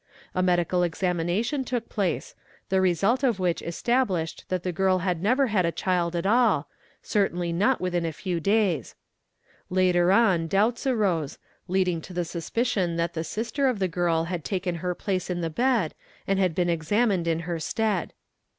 medical examination took place, the result of which established that he girl had never had a child at all, certainly not within a few days. | or on doubts arose, leading to the suspicion that the sister of the g rl had taken her place in the bed and been examined in her stead.